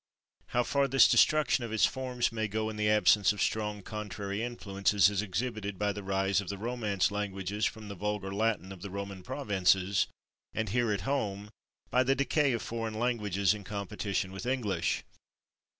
How far this destruction of its forms may go in the absence of strong contrary influences is exhibited by the rise of the Romance languages from the vulgar Latin of the Roman provinces, and, here at home, by the decay of foreign languages in competition with English.